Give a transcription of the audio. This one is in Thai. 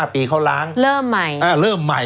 ๕ปีเขาล้างเบื้องสมบูรณ์ล้างไว้เริ่มใหม่